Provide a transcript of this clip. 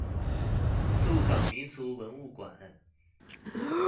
鹿港民俗文物館